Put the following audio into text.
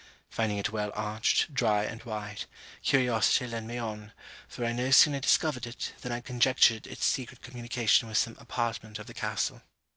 Finding it well arched, dry, and wide, curiosity led me on; for I no sooner discovered it, than I conjectured its secret communication with some apartment of the castle.